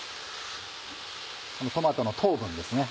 このトマトの糖分ですね